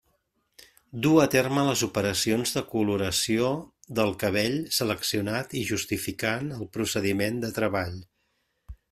Du a terme les operacions de coloració del cabell seleccionant i justificant el procediment de treball.